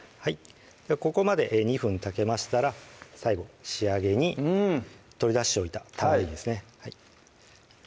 ここまで２分炊けましたら最後仕上げに取り出しておいた玉ねぎですね